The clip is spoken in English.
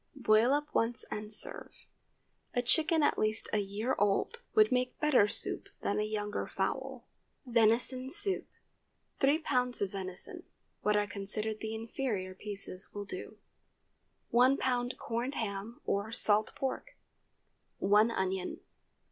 Boil up once and serve. A chicken at least a year old would make better soup than a younger fowl. VENISON SOUP. ✠ 3 lbs. of venison. What are considered the inferior pieces will do. 1 lb. corned ham or salt pork. 1 onion.